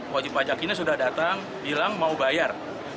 wajib pajak ini sudah datang bilang mau bayar